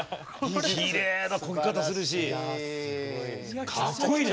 きれいなこけ方するしかっこいいね！